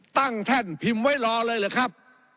ตั้งแท่นพิมพ์ไว้รอเลยเลยครับ